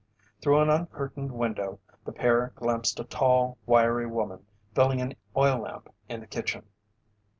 Through an uncurtained window, the pair glimpsed a tall, wiry woman filling an oil lamp in the kitchen.